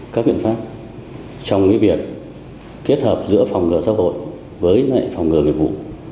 các biện pháp trong việc kết hợp giữa phòng ngừa xã hội với phòng ngừa nghiệp vụ